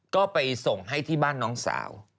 ก็ไปส่งให้ที่บ้านน้องสาว